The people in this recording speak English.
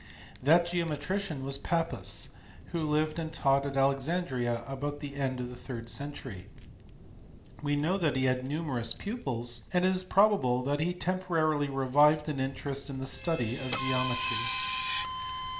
That ! geometrician was Pappus who lived and taught at Alexandria about the end of the third century. We know that he had numerous pupils, and it is probable that he temporarily revived an interest in the study of geometry.